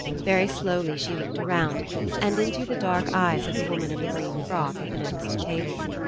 Very slowly she looked around, and into the dark eyes of the woman In the green frock at the next table.